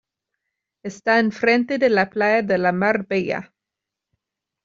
Está enfrente de la playa de la Mar Bella.